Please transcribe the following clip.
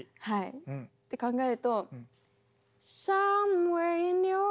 はい。って考えると。